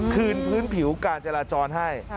คืนพื้นผิวการจราจรให้